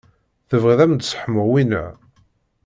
Tebɣiḍ ad m-d-sseḥmuɣ winna?